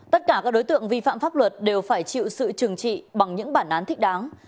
tất cả các đối tượng vi phạm pháp luật đều phải chịu sự trừng trị bằng những bản án thích đáng